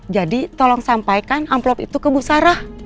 jadi tolong sampaikan amplop itu ke bu sarah